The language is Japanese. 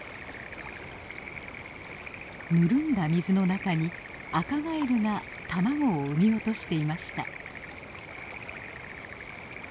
ぬるんだ水の中にアカガエルが卵を産み落としていました。